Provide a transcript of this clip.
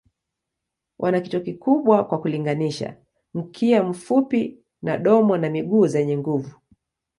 Wana kichwa kikubwa kwa kulinganisha, mkia mfupi na domo na miguu zenye nguvu.